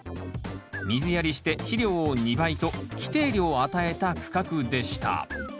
水やりして肥料を２倍と規定量与えた区画でした。